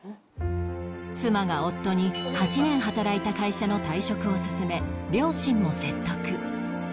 妻が夫に８年働いた会社の退職を勧め両親も説得